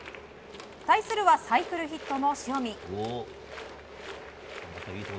対するはサイクルヒットの塩見。